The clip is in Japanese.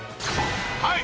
はい！